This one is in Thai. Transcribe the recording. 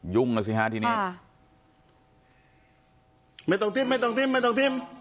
ยุ่งน่ะสิฮะทีนี้อ่าไม่ต้องไม่ต้องไม่ต้อง